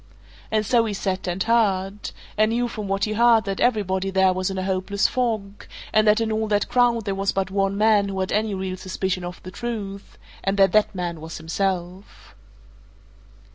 And so he sat and heard and knew from what he heard that everybody there was in a hopeless fog, and that in all that crowd there was but one man who had any real suspicion of the truth, and that that man was himself.